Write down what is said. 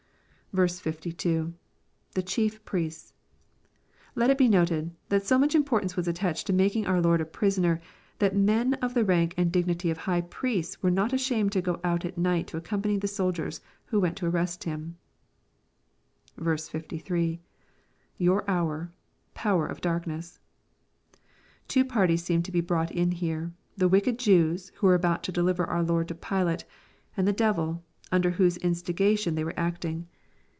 52. — [The chief priests.] Let it be noted, that so much importance was attached to making our Lord a prisoner, that men of the rank and dignity of high priests were not ashamed to go out at night to accompany the soldiers who went to arrest Him. 63. — [Your hour,.,power of darkness.] Two parties seem to be brought in here, — the wicked Jews, vho were about to deliver our Lord to Pilate, and the devil, under whose instigation they weire acting.